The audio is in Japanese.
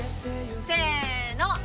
せの！